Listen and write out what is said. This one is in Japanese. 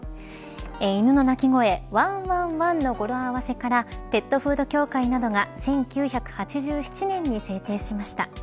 犬の鳴き声ワンワンワンの語呂合わせからペットフード協会などが１９８７年に制定しました。